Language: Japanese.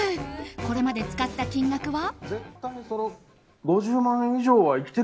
これまで使った金額は。